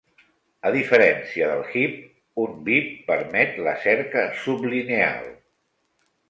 A diferència del heap, un beap permet la cerca sublineal.